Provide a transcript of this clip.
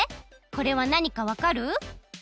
これはなにかわかる？